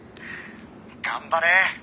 「頑張れ！」